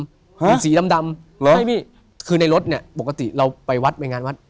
เป็นสีดำดำใช่พี่คือในรถเนี่ยปกติเราไปวัดไปงานวัด